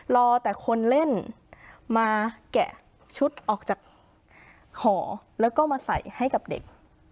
รอแต่คนเล่นมาแกะชุดออกจากหอแล้วก็มาใส่ให้กับเด็ก